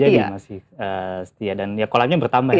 jadi masih setia dan kolamnya bertambah